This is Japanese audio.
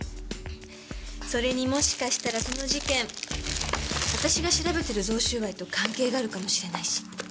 それにもしかしたらその事件私が調べてる贈収賄と関係があるかもしれないし。